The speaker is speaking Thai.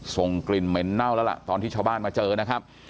ส่งกลิ่นเหม็นเน่าแล้วล่ะตอนที่ชาวบ้านมาเจอนะครับ